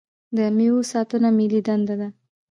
د میوو ساتنه ملي دنده ده.